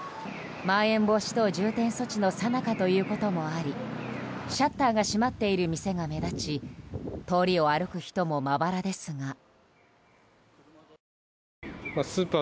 まん延防止等重点措置のさなかということもありシャッターが閉まっている店が目立ち通りを歩く人もまばらですが。